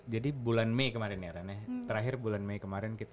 jadi bulan mei kemarin ya ran